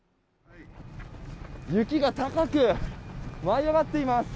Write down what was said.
雪が高く舞い上がっています。